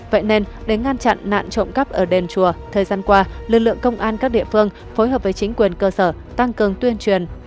vậy nên để ngăn chặn nạn trộm cắp ở đền chùa thời gian qua lực lượng công an các địa phương phối hợp với chính quyền cơ sở tăng cường tuyên truyền